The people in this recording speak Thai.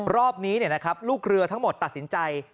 รอบนี้ลูกเรือทั้งหมดตัดสินใจ